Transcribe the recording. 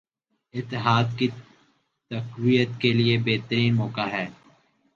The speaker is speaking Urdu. اتحاد کی تقویت کیلئے بہترین موقع ہے